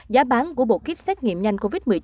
giá bán của bộ kit xét nghiệm nhanh covid một mươi chín